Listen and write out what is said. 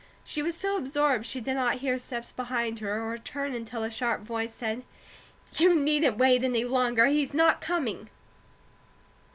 She was so absorbed she did not hear steps behind her or turn until a sharp voice said: "You needn't wait any longer. He's not coming!"